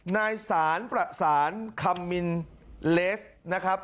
นายสารประสานคำมินเลสนะครับ